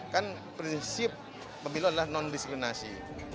kan prinsip pemilu adalah non diskriminasi